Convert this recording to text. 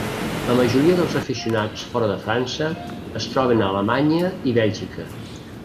La majoria dels aficionats fora de França es troben a Alemanya i Bèlgica.